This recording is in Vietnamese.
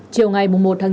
chiều ngày một chín